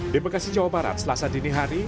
di bekasi jawa barat selasa dini hari